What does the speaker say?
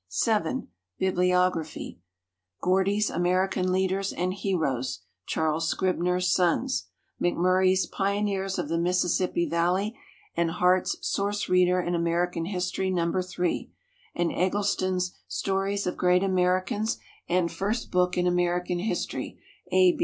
7. Bibliography Gordy's "American Leaders and Heroes" (Charles Scribner's Sons); McMurry's "Pioneers of the Mississippi Valley" and Hart's "Source Reader in American History," No. 3, and Eggleston's "Stories of Great Americans" and "First Book in American History" (A.